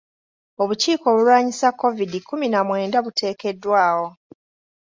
Obukiiko obulwanyisa Kovidi kkumi na mwenda buteekeddwawo.